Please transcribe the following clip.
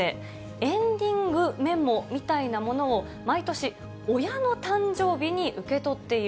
エンディングメモみたいなものを毎年、親の誕生日に受け取っている。